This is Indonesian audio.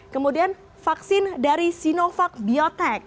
kemudian vaksin dari sinovac biotech